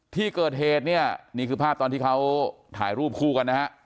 ที่เกิดเหตุเนี่ยนี่คือภาพตอนที่เขาถ่ายรูปคู่กันนะฮะ